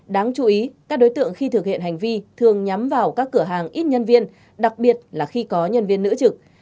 đáng chú ý các đối tượng khi thực hiện hành vi thường nhắm vào các cửa hàng ít nhân viên đặc biệt là khi có nhân viên nữ trực